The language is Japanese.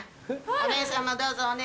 お姉さんもどうぞ。